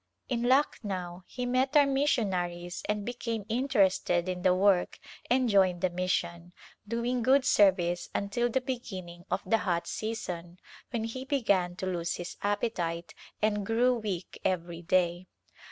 In Lucknow he met our missionaries and be came interested in the work and joined the mission, doing good service until the beginning of the hot season when he began to lose his appetite and grew weak every day.